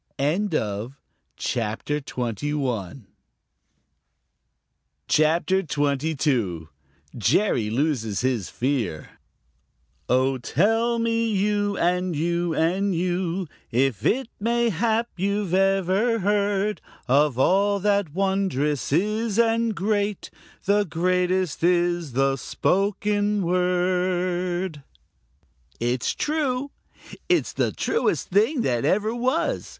CHAPTER XXII: Jerry Loses His Fear "Oh, tell me, you and you and you, If it may hap you've ever heard Of all that wond'rous is and great The greatest is the spoken word?" It's true. It's the truest thing that ever was.